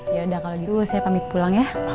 ya udah kalau gitu saya pamit pulang ya